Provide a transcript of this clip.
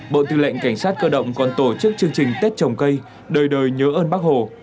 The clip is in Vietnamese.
bộ tư lệnh cảnh sát cơ động còn tổ chức chương trình tết trồng cây đời đời nhớ ơn bác hồ